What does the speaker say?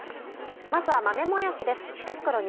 まずは豆もやしです。